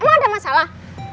emang ada masalah